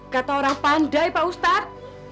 kata orang pandai pak ustadz